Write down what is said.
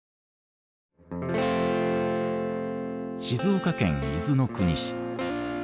静岡県伊豆の国市。